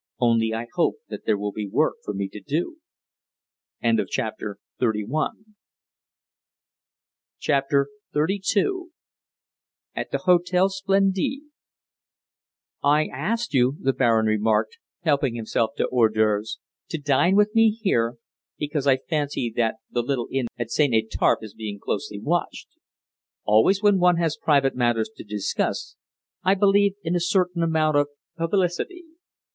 Only I hope that there will be work for me to do!" CHAPTER XXXII AT THE HÔTEL SPLENDIDE "I asked you," the Baron remarked, helping himself to hors d'oeuvres, "to dine with me here, because I fancy that the little inn at St. Étarpe is being closely watched. Always when one has private matters to discuss, I believe in a certain amount of publicity.